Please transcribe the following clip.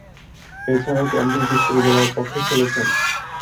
এছাড়াও, কেমব্রিজ বিশ্ববিদ্যালয়ের পক্ষে খেলেছেন।